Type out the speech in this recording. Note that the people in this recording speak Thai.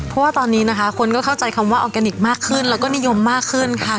เพราะว่าตอนนี้นะคะคนก็เข้าใจคำว่าออร์แกนิคมากขึ้นแล้วก็นิยมมากขึ้นค่ะ